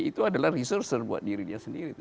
itu adalah riset buat dirinya sendiri